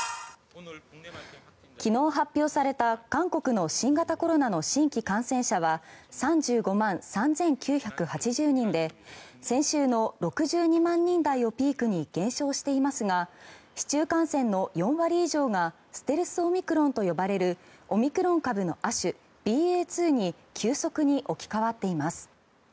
昨日発表された韓国の新型コロナの新規感染者は３５万３９８０人で先週の６２万人台をピークに減少していますが市中感染の４割以上がステルス・オミクロンと呼ばれるオミクロン株の亜種ＢＡ．２に急速に置き換わっています。